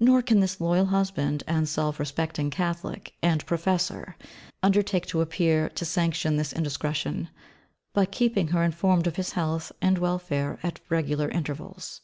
Nor can this loyal husband and self respecting Catholic and Professor undertake to appear to sanction this indiscretion, by keeping her informed of his health and welfare at regular intervals.